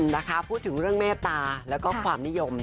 นะคะพูดถึงเรื่องเมตตาแล้วก็ความนิยม